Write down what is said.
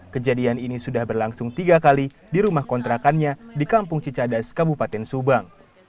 kejadian ini sudah berlangsung tiga kali di rumah kontrakannya di kampung cicadas kabupaten subang